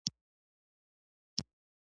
هغه فکر کاوه چې مینه له ستونزو سره مخ ده